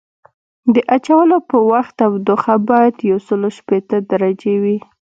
د اچولو په وخت تودوخه باید یوسل شپیته درجې وي